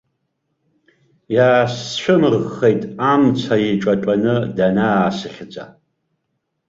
Иаасцәымыӷхеит амца иҿатәаны данаасыхьӡа.